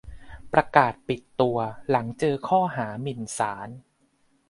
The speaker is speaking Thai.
ประกาศปิดตัว หลังเจอข้อหา "หมิ่นศาล"